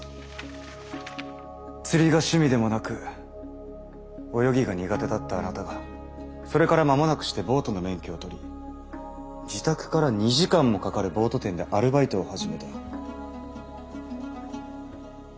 釣りが趣味でもなく泳ぎが苦手だったあなたがそれから間もなくしてボートの免許を取り自宅から２時間もかかるボート店でアルバイトを始めた。